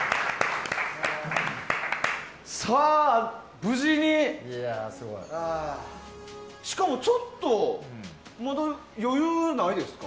無事にしかもちょっと余裕ないですか？